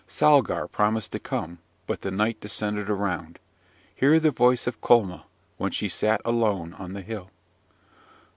Salgar promised to come! but the night descended around. Hear the voice of Colma, when she sat alone on the hill!